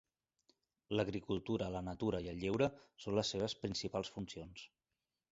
L'agricultura, la natura i el lleure són les seves principals funcions.